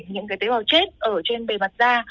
những cái tế bào chết ở trên bề mặt da